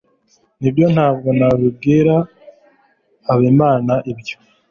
nibyo, ntabwo nabibwira habimana ibyo